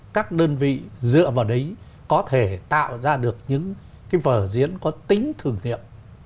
các đơn vị dựa vào đấy có thể tạo ra được những cái vở diễn có tính thử nghiệm